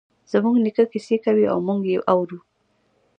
زموږ نیکه کیسې کوی او موږ یی اورو